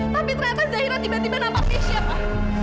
tapi ternyata zaira tiba tiba nampak mesya pak